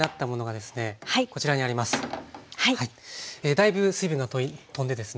だいぶ水分が飛んでですね